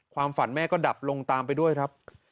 ความฝันแม่ก็ดับลงตามไปด้วยครับ